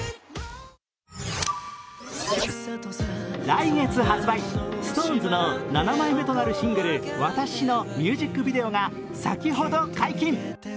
来月発売、ＳｉｘＴＯＮＥＳの７枚目となるシングル「わたし」のミュージックビデオが先ほど解禁。